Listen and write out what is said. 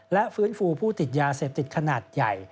และฟื้นฟูผู้ติดยาเสพติดขนาดใหญ่